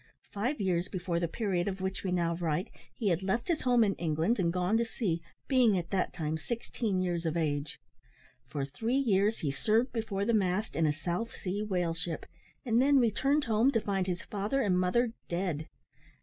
Five years before the period of which we now write, he had left his home in England, and gone to sea, being at that time sixteen years of age. For three years he served before the mast in a South Sea whale ship, and then returned home to find his father and mother dead.